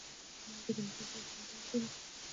مرګ یې د نجات یوازینۍ لاره بولي.